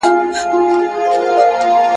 اسلام موږ ته د امانتدارۍ درس راکوي.